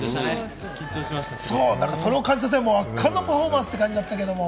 それを感じさせない圧巻のパフォーマンスだったけど。